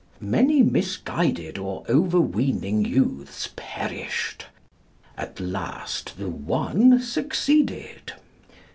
Many misguided or over weening youths perished; at last the One succeeded.